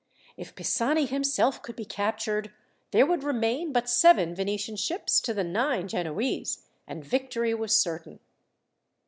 If Pisani himself could be captured, there would remain but seven Venetian ships to the nine Genoese, and victory was certain.